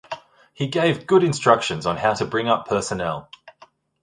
He gave good instructions on how to bring up personnel.